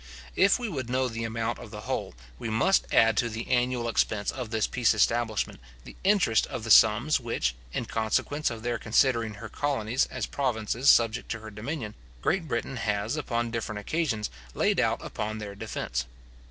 If we would know the amount of the whole, we must add to the annual expense of this peace establishment, the interest of the sums which, in consequence of their considering her colonies as provinces subject to her dominion, Great Britain has, upon different occasions, laid out upon their defence.